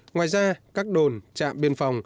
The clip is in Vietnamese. ngoài ra các đồn trạm biên phòng